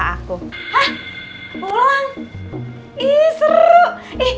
kalau kemana just aku mau pulang sama bapak aku